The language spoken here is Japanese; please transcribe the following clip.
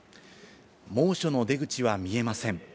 猛暑の出口は見えません。